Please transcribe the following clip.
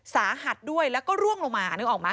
สาหัสด้วยแล้วก็ร่วงลงมานึกออกมั